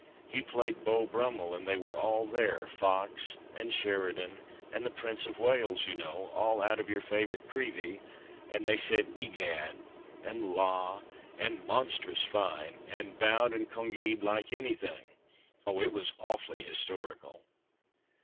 He played Beau lirummell and they were all there, Fox and Sheridan and the Prince of Wales, you know, all out of your favourite Crecvey, and they said ' egad ' and ' la ' and ' monstrous i'lnc,' and bowed and congee'd like anything — oh, it was awfully historical."